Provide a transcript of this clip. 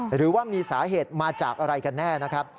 หรือว่ามีสาเหตุมาจากอะไรกันแน่นะครับ